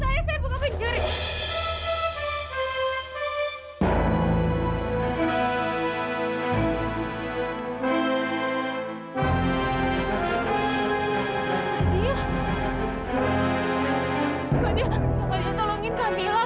mbak saya bersalin dengan livia